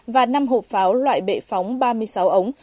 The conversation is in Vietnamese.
và năm hộp pháo loại bệ phóng và năm hộp pháo loại bệ phóng